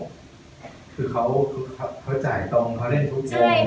คือเขาจ่ายตรงเขาเล่นทุกวง